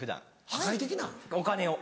お金を。